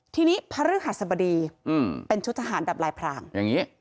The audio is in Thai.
ที่นี้พระฤาษบดีเป็นชุดทหารดับลายพราง